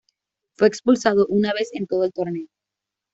Fue expulsado una vez en todo el torneo.